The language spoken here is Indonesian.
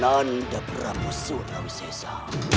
nanda prabu surawisesa